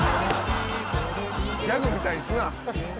ギャグみたいにすな！